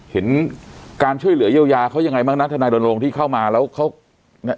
เห็นการช่วยเหลือเยี่ยวยาเขายังไงบ้างนะถ้านายดนตรงที่เข้ามาแล้วเขา